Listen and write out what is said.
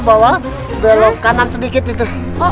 itu bahwa belok kanan sedikit itu